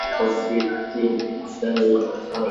And in the long run, it's history that counts.